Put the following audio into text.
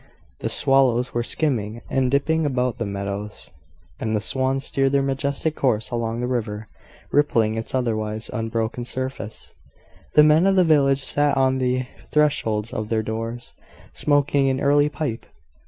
The swallows were skimming and dipping about the meadows; and the swans steered their majestic course along the river, rippling its otherwise unbroken surface. The men of the village sat on the thresholds of their doors, smoking an early pipe!